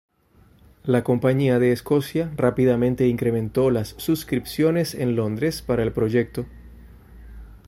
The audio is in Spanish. La Compañía de Escocia rápidamente incrementó las suscripciones en Londres para el proyecto.